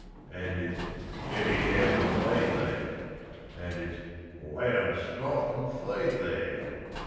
And it's 'Steady down the lead there!' And it's 'Let 'em stop and feed there!'